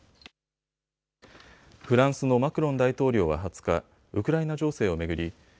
フランスのマクロン大統領は２０日、ウクライナ情勢を巡り